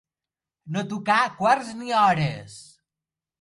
No tocar quarts ni hores.